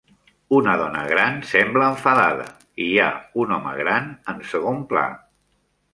Una dona gran sembla enfadada i hi ha un home gran en segon pla.